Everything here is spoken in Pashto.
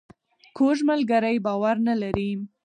کوږ ملګری باور نه لري